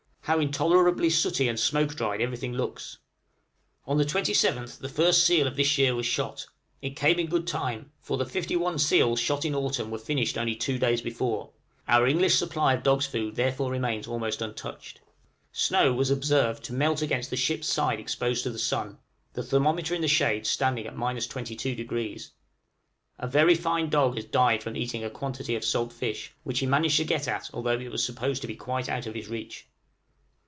How intolerably sooty and smoke dried everything looks! {RETURN OF THE SEALS.} On the 27th the first seal of this year was shot; it came in good time, for the fifty one seals shot in autumn were finished only two days before: our English supply of dogs' food therefore remains almost untouched. Snow was observed to melt against the ship's side exposed to the sun, the thermometer in the shade standing at 22°! A very fine dog has died from eating a quantity of salt fish, which he managed to get at although it was supposed to be quite out of his reach.